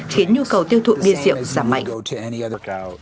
khiến nhu cầu tiêu thụ bia rượu giảm mạnh